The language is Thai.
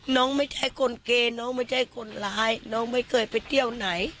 ไม่ใช่คนเกน้องไม่ใช่คนร้ายน้องไม่เคยไปเที่ยวไหน